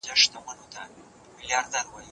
ګيلې کوم غوږ ورته کېږده